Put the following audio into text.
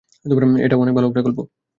এটা অনেক ভাল একটা গল্প।